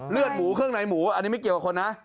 เลือดหมูเครื่องในหมูอันนี้ไม่เกี่ยวกับคนนะ